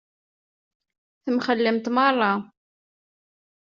Temxellemt meṛṛa.